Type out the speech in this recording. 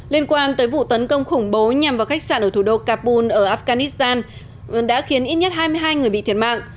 liên quan tới vụ tấn công khủng bố nhằm vào khách sạn ở thủ đô kapul ở afghanistan đã khiến ít nhất hai mươi hai người bị thiệt mạng